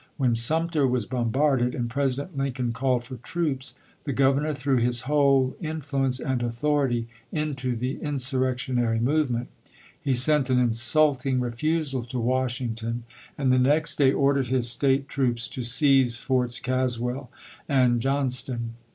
When Sumter was bombarded and President Lin coln called for troops, the Governor threw his whole influence and authority into the insmTec tionary movement. He sent an insulting refusal to Washington, and the next day ordered his State troops to seize Forts Caswell and Johnston.